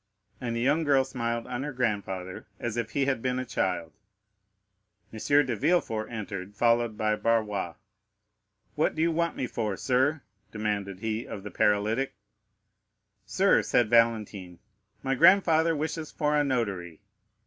And the young girl smiled on her grandfather, as if he had been a child. M. de Villefort entered, followed by Barrois. "What do you want me for, sir?" demanded he of the paralytic. "Sir," said Valentine, "my grandfather wishes for a notary."